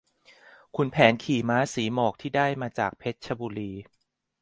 ขุนแผนขี่ม้าสีหมอก ได้มาจากเพชรบุรี